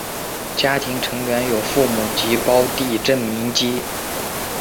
家庭成员有父母及胞弟郑民基。